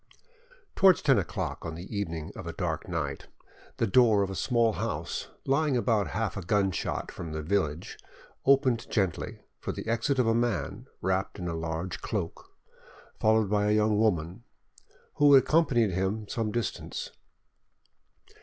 Towards ten o'clock on the evening of a dark night, the door of a small house lying about half a gunshot from the village opened gently for the exit of a man wrapped in a large cloak, followed by a young woman, who accompanied him some distance.